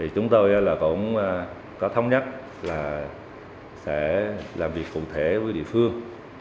chúng tôi cũng có thông nhắc là sẽ làm việc cụ thể với địa phương